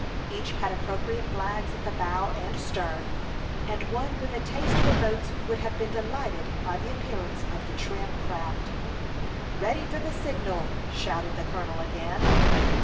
Each had appropriate flags at the bow and stern, and one with a taste for boats would have been delighted by the appearance of the trim craft. "Ready for the signal!" shouted the colonel again.